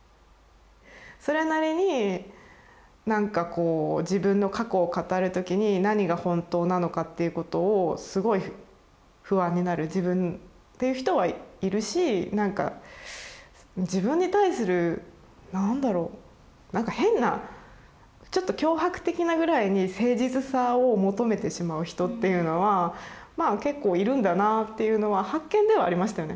それなりに自分の過去を語るときに何が本当なのかっていうことをすごい不安になる自分っていう人はいるしなんか自分に対する何だろうなんか変なちょっと脅迫的なぐらいに誠実さを求めてしまう人っていうのはまあ結構いるんだなぁっていうのは発見ではありましたよね。